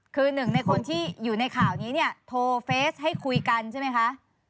คือหนึ่งในคนที่อยู่ในข่าวนี้เนี่ยโทรเฟสให้คุยกันใช่ไหมคะ